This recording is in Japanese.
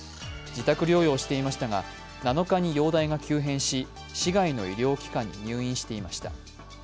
自宅療養していましたが、７日に容体が急変し、市外の医療機関に入院していました。